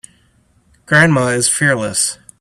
Grandma is fearless.